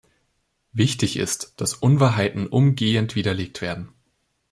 Wichtig ist, dass Unwahrheiten umgehend widerlegt werden.